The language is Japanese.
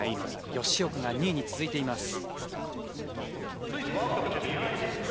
吉岡が２位に続いています。